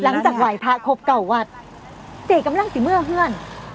หลังจากไหวภาษาครบเก่าวัดเจ๊กำลังซื้อเมื่อ